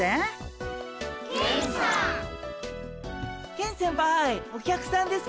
ケン先輩お客さんですか？